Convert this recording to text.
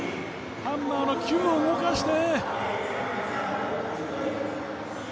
ハンマーの球を動かして！